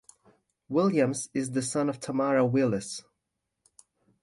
Williams is the son of Tamara Willis.